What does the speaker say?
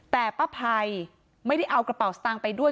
แต่ป้าภัยไม่ได้เอากระเป๋าสตางค์ไปด้วย